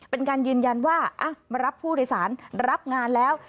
เป็นการยืนยันว่ามารับผู้โดยสารรับงานแล้ว